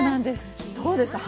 どうですか？